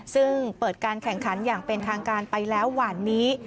ซึ่งเปิดการแข่งขันอย่างเป็นทางการไปแล้วหวานนี้